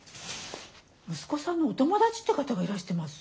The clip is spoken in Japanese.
息子さんのお友達って方がいらしてます。